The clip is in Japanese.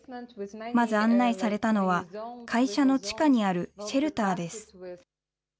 まず案内されたのは、会社の地下にあるシェルターです。